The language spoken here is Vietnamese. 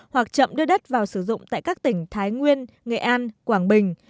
hoặc chậm đưa đất vào sử dụng tại các tỉnh thái nguyên nghệ an quảng bình